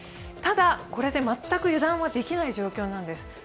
ただ、これで全く油断はできない状況なんです。